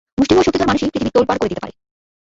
মুষ্টিমেয় শক্তিধর মানুষই পৃথিবী তোলপাড় করে দিতে পারে।